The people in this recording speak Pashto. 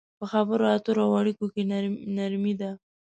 په خبرو اترو او اړيکو کې نرمي ده.